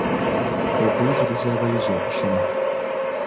Okuyigiriza abayizi okusoma.